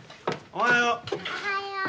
おはよう。